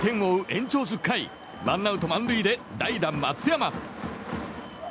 延長１０回ワンアウト、満塁で代打、松山。